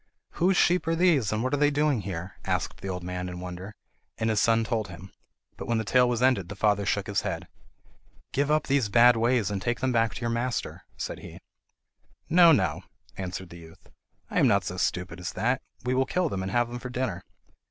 "Whose sheep are these, and what are they doing here?" asked the old man in wonder, and his son told him. But when the tale was ended the father shook his head. "Give up these bad ways and take them back to your master," said he. "No, no," answered the youth; "I am not so stupid as that! We will kill them and have them for dinner."